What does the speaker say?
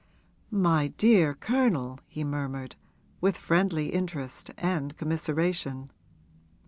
'My dear Colonel!' he murmured, with friendly interest and commiseration.